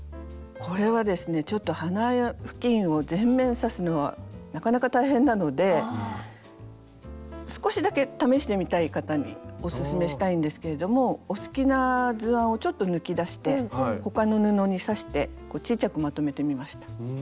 これはですねちょっとふきんを全面刺すのはなかなか大変なので少しだけ試してみたい方におすすめしたいんですけれどもお好きな図案をちょっと抜き出して他の布に刺してちいちゃくまとめてみました。